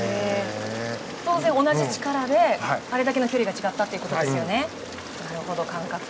当然、同じ力であれだけ距離が違ったってことですよね。